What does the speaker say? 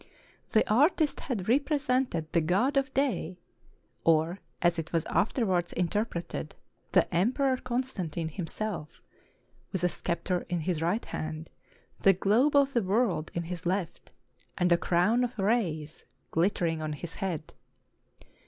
The artist had rep resented the god of day, or, as it was afterwards inter preted, the Emperor Constantine himself, with a scepter in his right hand, the globe of the world in his left, and a crown of rays glittering on his head.